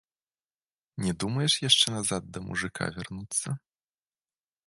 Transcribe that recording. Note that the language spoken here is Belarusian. Не думаеш яшчэ назад да мужыка вярнуцца?